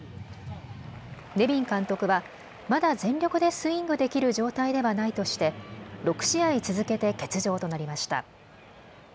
ネビン監督はまだ全力でスイングできる状態ではないとして６試合続けて欠場となりました。